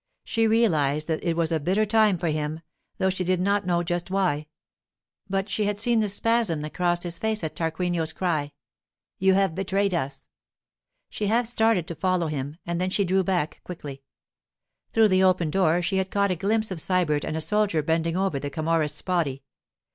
She realized that it was a bitter time for him, though she did not know just why; but she had seen the spasm that crossed his face at Tarquinio's cry, 'You have betrayed us!' She half started to follow him, and then she drew back quickly. Through the open door she had caught a glimpse of Sybert and a soldier bending over the Camorrist's body.